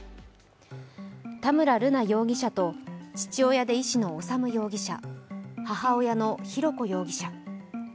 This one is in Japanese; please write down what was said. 田村瑠奈容疑者と父親で医師の修容疑者、母親の浩子容疑者。